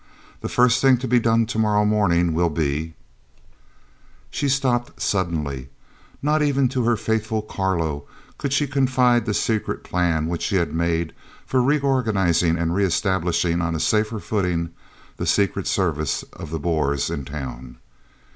The first thing to be done to morrow morning will be " She stopped suddenly not even to her faithful Carlo could she confide the secret plan which she had made for reorganising and re establishing on a safer footing the Secret Service of the Boers in town.